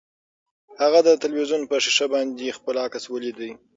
هغې د تلویزیون په ښیښه باندې خپل عکس ولید.